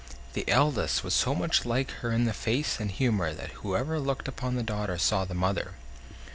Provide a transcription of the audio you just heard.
The eldest was so much like her in the face and humor that whoever looked upon the daughter saw the mother.